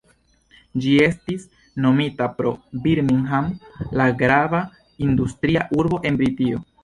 Ĝi estis nomita pro Birmingham, la grava industria urbo en Britio.